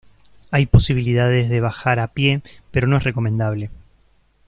Hay posibilidades de bajar a pie pero no es recomendable.